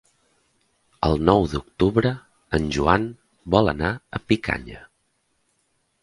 El nou d'octubre en Joan vol anar a Picanya.